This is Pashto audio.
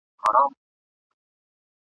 چي په زړو کي دښمنۍ وي چي له وروه انتقام وي ..